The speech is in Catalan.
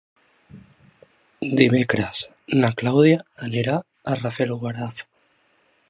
Dimecres na Clàudia anirà a Rafelguaraf.